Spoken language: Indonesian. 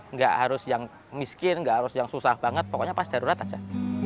nggak harus yang miskin nggak harus yang susah banget pokoknya pas darurat aja